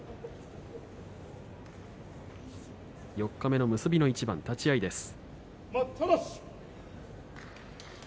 四日目の結びの一番立ち合いです。